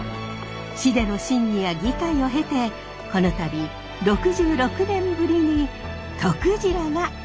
市での審議や議会を経てこの度６６年ぶりにとくじらが復活したのです。